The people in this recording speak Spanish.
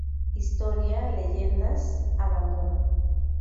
Historia, leyendas, abandono".